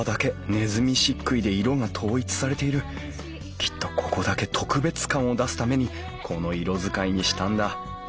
きっとここだけ特別感を出すためにこの色使いにしたんだ。